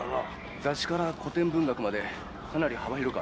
雑誌から古典文学までかなり幅広く扱ってます。